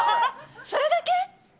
それだけ？